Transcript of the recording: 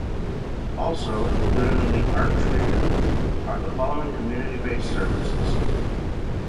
Also included in the Arch region are the following community-based services.